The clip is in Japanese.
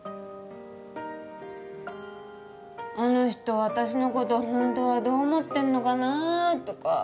あの人私のことほんとはどう思ってんのかなとか